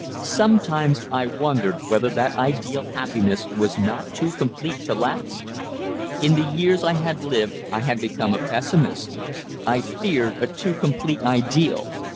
Sometimes I wondered whether that ideal happiness was not too complete to last. In the years I had lived I had become a pessimist. I feared a too complete ideal.